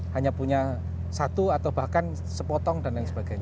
hanya punya satu atau bahkan sepotong dan lain sebagainya